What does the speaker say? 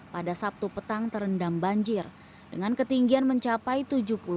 pada sabtu petang tersebut menyebabkan puluhan rumah warga di pondok hijau permai rawalumbu bekasi timur